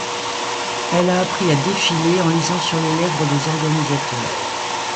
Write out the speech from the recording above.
Elle a appris à défiler en lisant sur les lèvres des organisateurs.